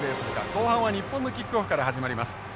後半は日本のキックオフから始まります。